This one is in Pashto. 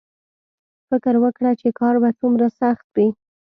فکر وکړه چې کار به څومره سخت وي